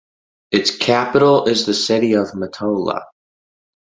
Its capital is the city of Matola.